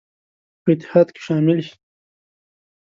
په اتحاد کې شامل شي.